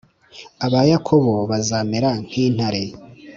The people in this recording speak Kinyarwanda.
aba Yakobo bazamera nk intare